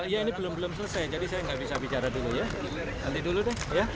ya ini belum belum selesai